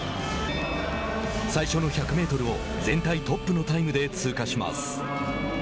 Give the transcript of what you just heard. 最初の１００メートルを全体トップのタイムで通過します。